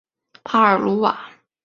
帕尔鲁瓦。